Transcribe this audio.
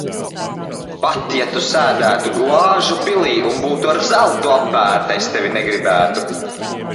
Pat ja Tu sēdētu glāžu pilī un būtu ar zeltu apbērta, es tevi negribētu.